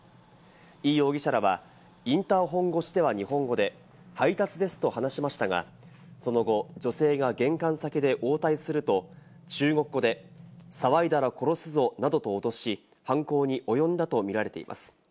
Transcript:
イ容疑者らはインターホン越しでは日本語で配達ですと話しましたが、その後、女性が玄関先で応対すると、中国語で騒いだら殺すぞなどと脅し、犯行に及んだと見られています。